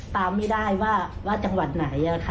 ตามไม่ได้ว่าจังหวัดไหน